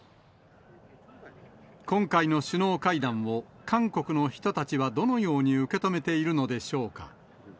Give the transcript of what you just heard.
今回の首脳会談を、韓国の人たちはどのように受け止めているのでしょうか。